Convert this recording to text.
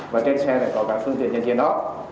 và trên xe này có cả phương tiện nhân viên đó